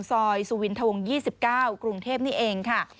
ซอยสูวินทวงโว็ง๒๙กรุงเทพฯนี้เองค่ะ